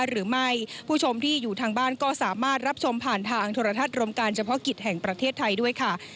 หรือไม่ผู้ชมที่อยู่ทางบ้านก็สามารถรับชมผ่านทางโทรทัศน์รวมการเฉพาะกิจแห่งประเทศไทยด้วยค่ะ